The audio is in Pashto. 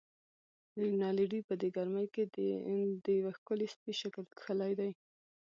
رینالډي: په دې ګرمۍ کې دې د یوه ښکلي سپي شکل کښلی دی.